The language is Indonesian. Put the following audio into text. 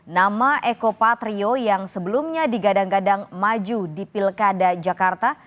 nama eko patrio yang sebelumnya digadang gadang maju di pilkada jakarta